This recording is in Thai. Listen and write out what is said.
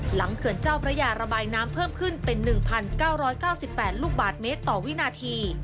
เขื่อนเจ้าพระยาระบายน้ำเพิ่มขึ้นเป็น๑๙๙๘ลูกบาทเมตรต่อวินาที